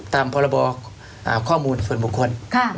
พรบข้อมูลส่วนบุคคล